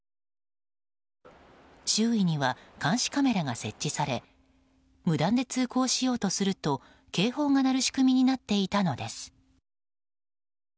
周囲には監視カメラが設置され無断で通行しようとすると警報が鳴る仕組みになっていたのです。